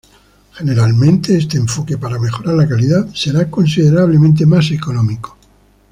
Generalmente este enfoque para mejorar la calidad será considerablemente más económico.